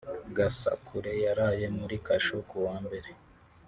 Gasakure yaraye muri kasho ku wa Mbere